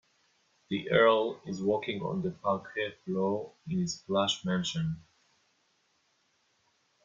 The earl is walking on the parquet floor in his plush mansion.